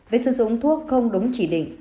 năm việc sử dụng thuốc không đúng chỉ định